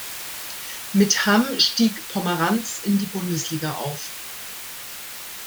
Mit Hamm stieg Pomeranz in die Bundesliga auf.